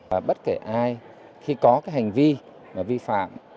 và bất kể ai khi có cái hành vi vi phạm